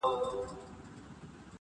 ورک سم په هینداره کي له ځان سره-